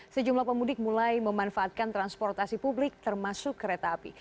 sejumlah pemudik mulai memanfaatkan transportasi publik termasuk kereta api